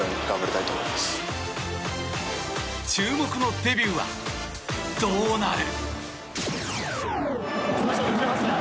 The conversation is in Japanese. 注目のデビューはどうなる？